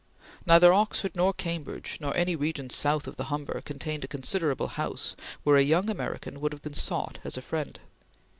Neither Oxford nor Cambridge nor any region south of the Humber contained a considerable house where a young American would have been sought as a friend.